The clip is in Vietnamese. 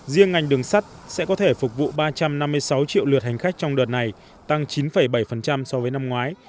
riêng ngành đường sắt sẽ có thể phục vụ ba trăm năm mươi sáu triệu lượt hành khách trong đợt này tăng chín bảy so với năm ngoái